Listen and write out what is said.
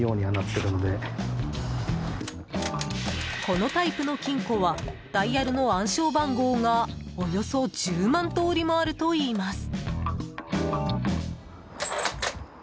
このタイプの金庫はダイヤルの暗証番号がおよそ１０万通りもあるといいます。